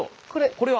これは？